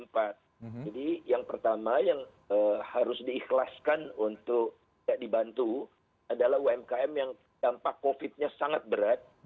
jadi yang pertama yang harus diikhlaskan untuk dibantu adalah umkm yang dampak covid nya sangat berat